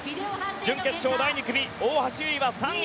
準決勝第２組、大橋悠依は３位。